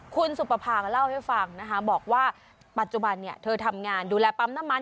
คุณสุปภาก็เล่าให้ฟังนะคะบอกว่าปัจจุบันเธอทำงานดูแลปั๊มน้ำมัน